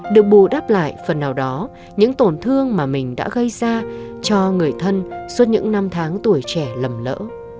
được bù đắp lại phần nào đó những tổn thương mà mình đã gây ra cho người thân suốt những năm tháng tuổi trẻ lầm lỡ